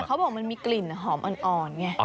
เขาบอกมันมีกลิ่นหอมอ่อนไง